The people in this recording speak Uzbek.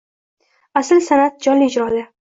Asl san’at jonli ijroda